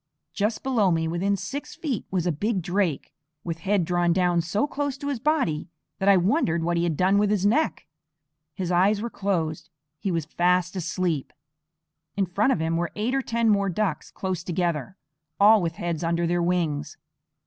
Just below me, within six feet, was a big drake, with head drawn down so close to his body that I wondered what he had done with his neck. His eyes were closed; he was fast asleep. In front of him were eight or ten more ducks close together, all with heads under their wings.